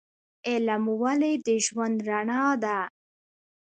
علم ولې د ژوند رڼا ده؟